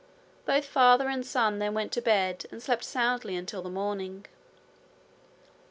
Both father and son then went to bed and slept soundly until the morning.